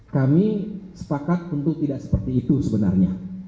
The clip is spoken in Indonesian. kami sepakat tentu tidak seperti itu sebenarnya